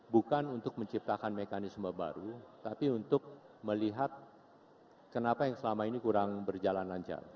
bukan untuk menciptakan mekanisme baru tapi untuk melihat kenapa yang selama ini kurang berjalan lancar